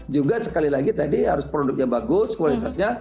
juga sekali lagi tadi harus produknya bagus kualitasnya